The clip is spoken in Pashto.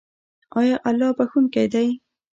آیا الله بخښونکی دی؟